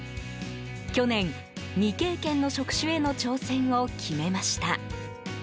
去年、未経験の職種への挑戦を決めました。